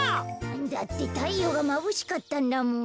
だってたいようがまぶしかったんだもん。